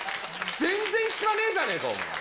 全然聞かねぇじゃねえか、お前。